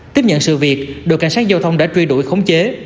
tiếp nhận sự việc đội cảnh sát giao thông đã truy đuổi khống chế